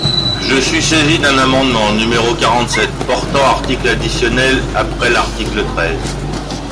Je suis saisi d’un amendement, numéro quarante-sept, portant article additionnel après l’article treize.